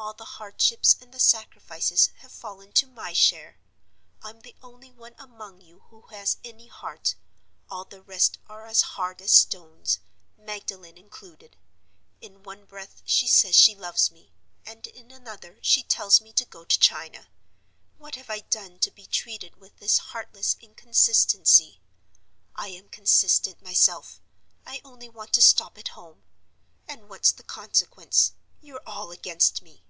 'All the hardships and the sacrifices have fallen to my share. I'm the only one among you who has any heart: all the rest are as hard as stones—Magdalen included. In one breath she says she loves me, and in another she tells me to go to China. What have I done to be treated with this heartless inconsistency? I am consistent myself—I only want to stop at home—and (what's the consequence?) you're all against me!